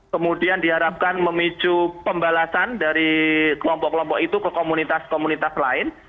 kemudian diharapkan memicu pembalasan dari kelompok kelompok itu ke komunitas komunitas lain